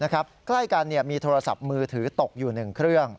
ใกล้กันมีโทรศัพท์มือถือตกอยู่๑เครื่อง